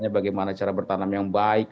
bagaimana cara bertanam yang baik